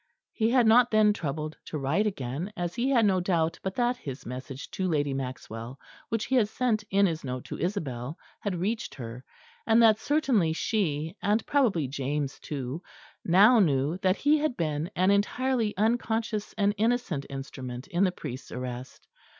He had not then troubled to write again, as he had no doubt but that his message to Lady Maxwell, which he had sent in his note to Isabel, had reached her; and that certainly she, and probably James too, now knew that he had been an entirely unconscious and innocent instrument in the priest's arrest.